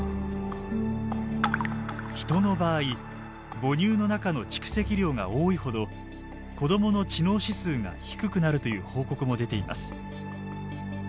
人の場合母乳の中の蓄積量が多いほど子供の知能指数が低くなるという報告も出ています。